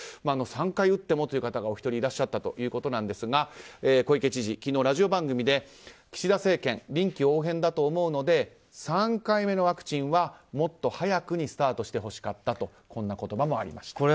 ３回打ってもという方がお一人いらっしゃるということなんですが小池知事、昨日ラジオ番組で岸田政権臨機応変だと思うので３回目のワクチンはもっと早くにスタートしてほしかったとこんな言葉もありました。